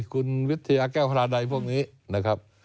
คุณวิทยาแก้วฮาราใดพวกนี้นะครับ